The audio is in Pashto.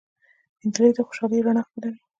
نجلۍ د خوشالۍ رڼا خپروي.